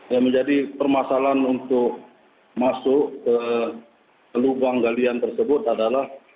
yang menjadi permasalahan untuk masuk ke lubang galian tersebut adalah